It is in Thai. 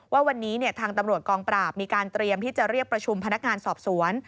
ว่าวันนี้ทางตำรวจกองปราบมีการเตรียมที่จะเรียกประชุมพนักงานสอบสวน